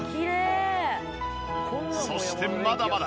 そしてまだまだ。